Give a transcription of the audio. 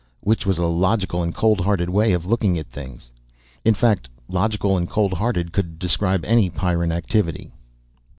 Which was a logical and cold hearted way of looking at things. In fact, logical and cold hearted could describe any Pyrran activity.